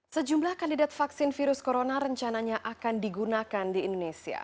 sejumlah kandidat vaksin virus corona rencananya akan digunakan di indonesia